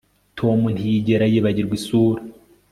Tom ntiyigera yibagirwa isura